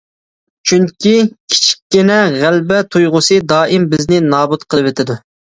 چۈنكى كىچىككىنە غەلىبە تۇيغۇسى دائىم بىزنى نابۇت قىلىۋېتىدۇ.